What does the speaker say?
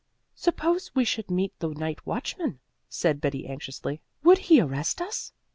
"Suppose we should meet the night watchman?" said Betty anxiously. "Would he arrest us?"